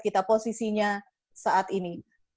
kita posisinya saat ini